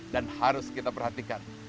dan harus kita perhatikan